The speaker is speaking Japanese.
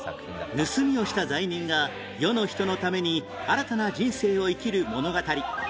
盗みをした罪人が世の人のために新たな人生を生きる物語